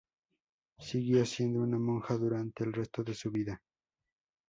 Siguió siendo una monja durante el resto de su vida.